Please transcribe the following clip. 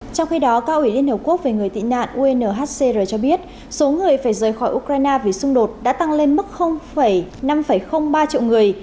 trong khi đó cao ủy liên hợp quốc về người tị nạn unhcr cho biết số người phải rời khỏi ukraine vì xung đột đã tăng lên mức năm ba triệu người